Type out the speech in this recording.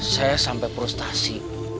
saya sampai frustasi